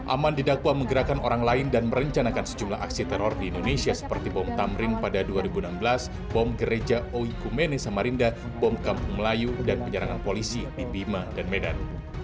aman didakwa menggerakkan orang lain dan merencanakan sejumlah aksi teror di indonesia seperti bom tamrin pada dua ribu enam belas bom gereja oikumene samarinda bom kampung melayu dan penyerangan polisi di bima dan medan